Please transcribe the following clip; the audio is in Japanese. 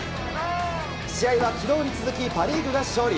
試合は昨日に続きパ・リーグが勝利。